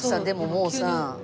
でももうさ。